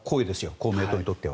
公明党にとっては。